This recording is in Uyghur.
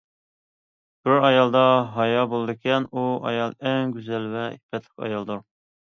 بىر ئايالدا ھايا بولىدىكەن، ئۇ ئايال ئەڭ گۈزەل ۋە ئىپپەتلىك ئايالدۇر.